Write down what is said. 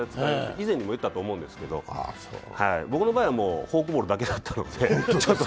以前もいったと思うんですけど僕の場合、フォークボールだけだったのでちょっと